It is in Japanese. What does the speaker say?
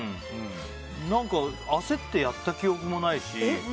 何か焦ってやった記憶もないし。